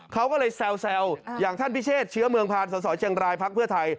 เขาก็เลยแซวอย่างท่านพิเชษเชื้อเมืองผ่านสสเชียงรายพักเพื่อไทย